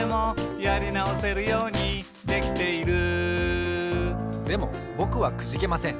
「やりなおせるようにできている」でもぼくはくじけません。